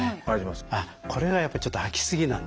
あっこれがやっぱちょっと空き過ぎなんですね。